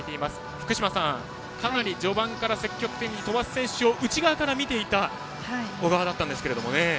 福島さん、かなり序盤から積極的に飛ばす選手を内側から見ていた小川だったんですけどね。